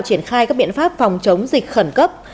triển khai các biện pháp phòng chống dịch khẩn cấp